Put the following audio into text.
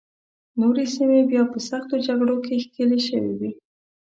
نورې سیمې بیا په سختو جګړو کې ښکېلې شوې وې.